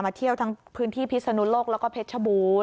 เที่ยวทั้งพื้นที่พิศนุโลกแล้วก็เพชรชบูรณ์